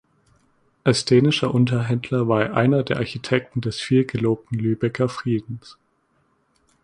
Als dänischer Unterhändler war er einer der Architekten des viel gelobten Lübecker Friedens.